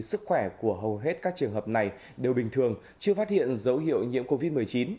sức khỏe của hầu hết các trường hợp này đều bình thường chưa phát hiện dấu hiệu nhiễm covid một mươi chín